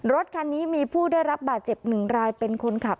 รถคันนี้มีผู้ได้รับบาดเจ็บหนึ่งรายเป็นคนขับ